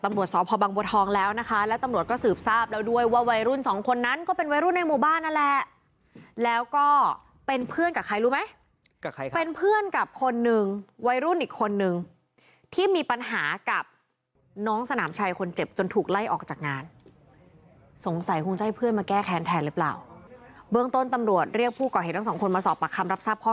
หมวดสอบพอบังบวทองแล้วนะคะแล้วตำลวดก็สืบทราบแล้วด้วยว่าวัยรุ่นสองคนนั้นก็เป็นวัยรุ่นในหมู่บ้านนั่นแหละแล้วก็เป็นเพื่อนกับใครรู้ไหมกับใครครับเป็นเพื่อนกับคนนึงวัยรุ่นอีกคนนึงที่มีปัญหากับน้องสนามชายคนเจ็บจนถูกไล่ออกจากงานสงสัยคงจะให้เพื่อนมาแก้แค้นแทนหรือเปล่าเบื้องต้นตํ